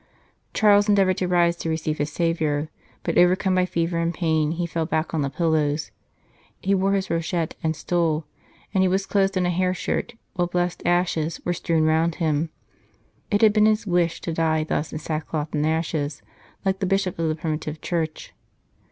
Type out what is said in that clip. Charles endeavoured to rise to receive his Saviour, but, overcome by fever and pain, he fell back on the pillows. He wore his rochet and stole, and he was clothed in a hair shirt, while blessed ashes were strewn round him. It had been his wish to die thus in sackcloth and ashes, like the Bishops of the primitive Church.